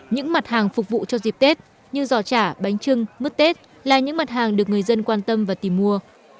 những mặt hàng phục vụ cho dịp tết như giò chả bánh trưng mứt tết là những mặt hàng được người dân quan tâm và tìm mua